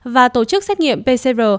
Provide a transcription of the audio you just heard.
và tổ chức xét nghiệm pcr